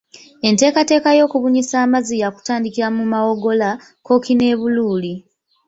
Enteekateeka y'okubunyisa amazzi yaakutandikira mu Mawogola, Kkooki ne Buluuli